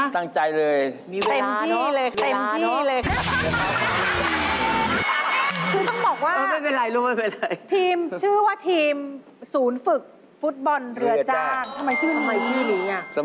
เห้ยแหลกแย๊ม